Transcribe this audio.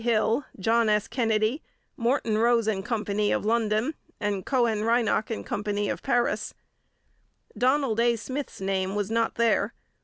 Hill, John S. Kennedy, Morton, Rose and Co. of London, and Cohen, Reinach and Co. of Paris. Donald A. Smith's name was not there.